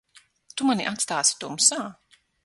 Tu mani atstāsi tumsā?